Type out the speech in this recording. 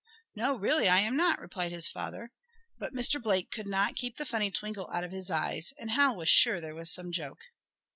"No, really I am not," replied his father, but Mr. Blake could not keep the funny twinkle out of his eyes, and Hal was sure there was some joke.